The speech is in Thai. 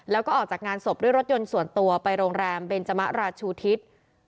แล้วก็ออกจากงานศพด้วยรถยนต์ส่วนตัวไปโรงแรมเบนจมะราชูทิศ